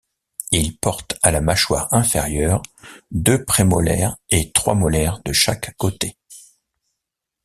Il porte à la mâchoire inférieure deux prémolaires et trois molaires de chaque côté.